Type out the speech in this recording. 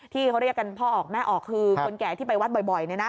ที่เขาเรียกกันพ่อออกแม่ออกคือคนแก่ที่ไปวัดบ่อย